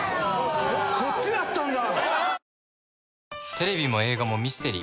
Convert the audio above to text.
こっちだったんだ！